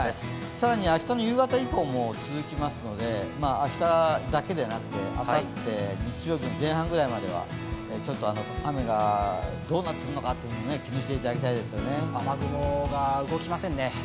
更に明日の夕方以降も続きますので、明日だけでなくてあさって日曜日の前半くらいまでは、雨がどうなっているのか、雨雲が動きませんね。